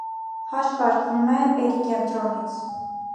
Հաշվարկվում է պերիկենտրոնից։